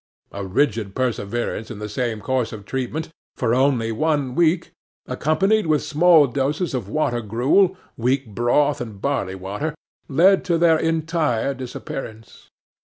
A rigid perseverance in the same course of treatment for only one week, accompanied with small doses of water gruel, weak broth, and barley water, led to their entire disappearance.